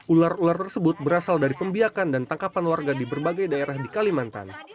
ular ular tersebut berasal dari pembiakan dan tangkapan warga di berbagai daerah di kalimantan